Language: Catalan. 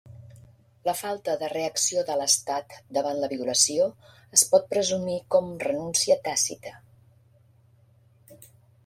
La falta de reacció de l'estat davant la violació es pot presumir com renúncia tàcita.